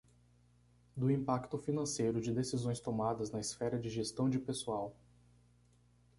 do impacto financeiro de decisões tomadas na esfera de gestão de pessoal.